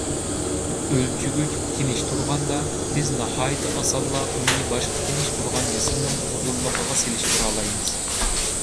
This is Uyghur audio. ئۆلچىگۈچ تىنچ تۇرغاندا، بىز ناھايىتى ئاسانلا ئۇنى باشقا تىنچ تۇرغان جىسىمنىڭ ئۇزۇنلۇقىغا سېلىشتۇرالايمىز.